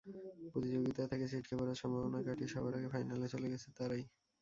প্রতিযোগিতা থেকে ছিটকে পড়ার সম্ভাবনা কাটিয়ে সবার আগে ফাইনালে চলে গেছে তারাই।